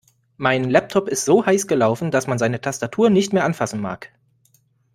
Mein Laptop ist so heiß gelaufen, dass man seine Tastatur nicht mehr anfassen mag.